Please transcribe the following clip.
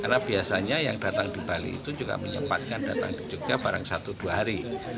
karena biasanya yang datang di bali itu juga menyempatkan datang di yogyakarta barang satu dua hari